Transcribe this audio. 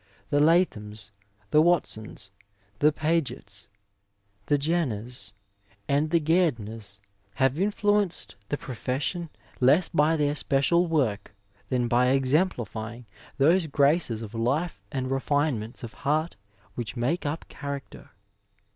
The Lathams, the Watsons, the Pagets, the Jenners, and the Gairdners have influenced the profession less by their special work than by exemplifying those graces of life and refinements of heart which make up character.